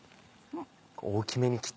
大きめに切った。